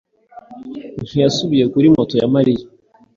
ntiyasubiye kuri moto ya Mariya.